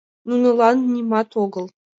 Нунылан нимат огыл...